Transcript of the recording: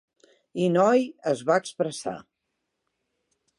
I, noi, es va expressar.